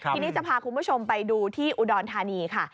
ทีนี้จะพาคุณผู้ชมไปดูที่อุดรธานีค่ะ